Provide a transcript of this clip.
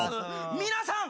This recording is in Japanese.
「皆さん！